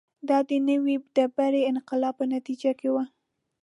دا د نوې ډبرې انقلاب په نتیجه کې و